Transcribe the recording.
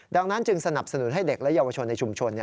ดังนั้นจึงสนับสนุนให้เด็กและเยาวชนในชุมชน